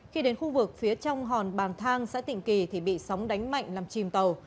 khi đến khu vực phía trong hòn bàn thang xã tịnh kỳ thì bị sóng đánh mạnh làm chìm tàu